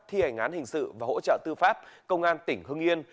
thi hành án hình sự và hỗ trợ tư pháp công an tỉnh hưng yên